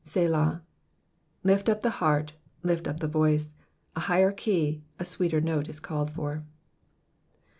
Selah/'' Lift up the heart, lift up the voice. A higher key, a sweeter note is called for.